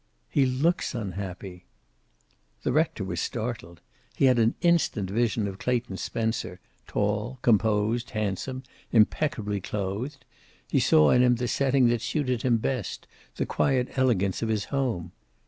"He looks unhappy." The rector was startled. He had an instant vision of Clayton Spencer, tall, composed, handsome, impeccably clothed. He saw him in the setting that suited him best, the quiet elegance of his home.